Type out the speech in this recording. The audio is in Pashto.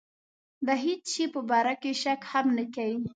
د هېڅ شي په باره کې شک هم نه کوي.